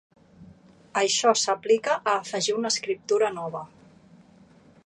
Això s'aplica a afegir una escriptura nova.